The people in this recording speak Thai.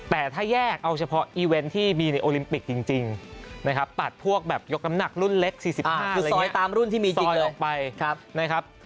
แต่ถ้าแยกเอาเฉพาะอีเวนต์ที่มีในโอลิมปิกจริงนะครับตัดพวกแบบยกน้ำหนักรุ่นเล็ก๔๕คือ๒ในตามรุ่นที่มีจริงออกไปนะครับ